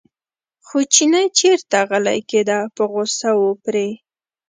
خو چینی چېرته غلی کېده په غوسه و پرې.